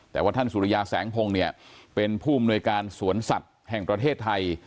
แต่ว่าท่านสุริยาแสงพงศ์เนี่ยเป็นผู้อำนวยการสวนสัตว์แห่งประเทศไทย